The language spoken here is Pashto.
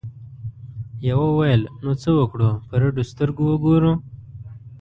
یوه وویل نو څه وکړو په رډو سترګو وګورو؟